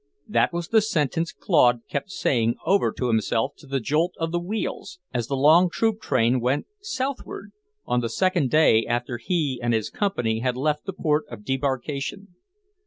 That was the sentence Claude kept saying over to himself to the jolt of the wheels, as the long troop train went southward, on the second day after he and his company had left the port of debarkation.